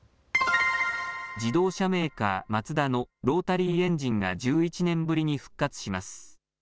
自動車メーカー、マツダのロータリーエンジンが１１年ぶりに復活します。